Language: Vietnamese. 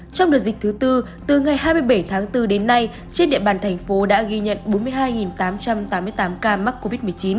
trong đợt dịch thứ tư từ ngày hai mươi bảy tháng bốn đến nay trên địa bàn thành phố đã ghi nhận bốn mươi hai tám trăm tám mươi tám ca mắc covid một mươi chín